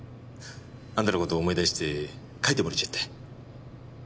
あんたの事思い出して書いてもらっちゃった。